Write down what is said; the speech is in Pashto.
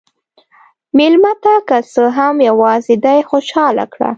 مېلمه ته که څه هم یواځې دی، خوشحال کړه.